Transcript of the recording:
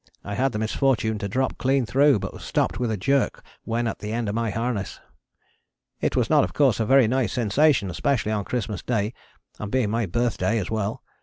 I had the misfortune to drop clean through, but was stopped with a jerk when at the end of my harness. It was not of course a very nice sensation, especially on Christmas Day, and being my birthday as well.